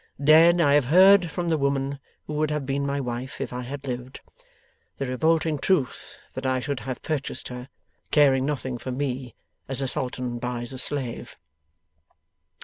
Dead, I have heard from the woman who would have been my wife if I had lived, the revolting truth that I should have purchased her, caring nothing for me, as a Sultan buys a slave.